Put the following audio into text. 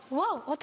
私？」